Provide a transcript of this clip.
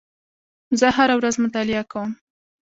زه هره ورځ مطالعه کوم.